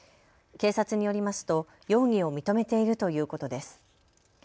警察によりますと容疑を認めているということです。